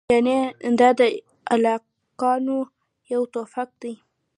یعنې دا د عاقلانو یو توافق دی.